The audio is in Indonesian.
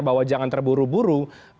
bahwa jangan terburu buru